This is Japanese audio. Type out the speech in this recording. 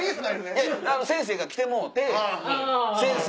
先生が来てもうて先生